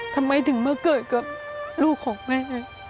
ทำไมถึงมาเกิดกับลูกของแม่